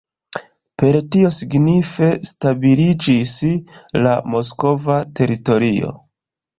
Per tio signife stabiliĝis la moskva teritorio.